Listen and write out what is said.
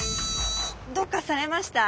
どうかされました？